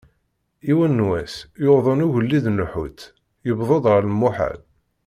Yiwen n wass, yuḍen ugellid n lḥut, yewweḍ γer lmuḥal.